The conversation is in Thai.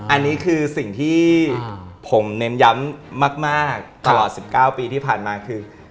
อันนี้คือสิ่งที่ผมเน้นย้ำมากตลอด๑๙ปีที่ผ่านมาคือ